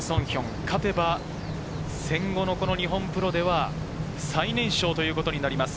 勝てば戦後の日本プロでは最年少ということになります。